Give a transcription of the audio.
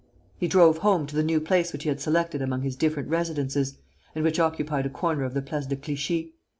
He drove home to the new place which he had selected among his different residences and which occupied a corner of the Place de Clichy.